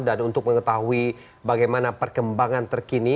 dan untuk mengetahui bagaimana perkembangan terkini